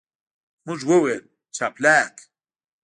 موږ وویل، جاپلاک.